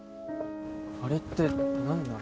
あれって何なの？